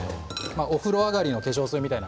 お風呂上がりの化粧水みたいな。